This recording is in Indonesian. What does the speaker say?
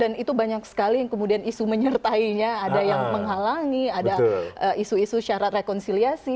itu banyak sekali yang kemudian isu menyertainya ada yang menghalangi ada isu isu syarat rekonsiliasi